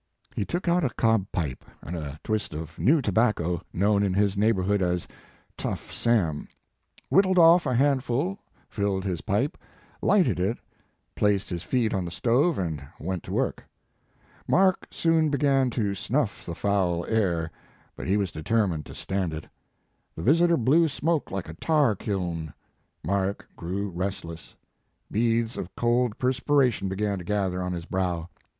He took out a cob pipe, and a twist of new tobacco, known in his neighborhood as "Tough Sam," whittled off a handful, filled his pipe, lighted it, placed his feet on the stove and went to work. Mark soon began to snuff the foul air, but he was determined to stand it. The visitor blew smoke like a tar kiln. Mark grew restless. Beads of cold perspiration began to gather on his brow.